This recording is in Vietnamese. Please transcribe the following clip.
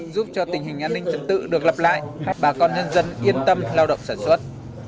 giúp cho tình hình an ninh trật tự được lập lại bà con nhân dân yên tâm lao động sản xuất